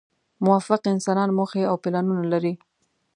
موفق انسانان موخې او پلانونه لري.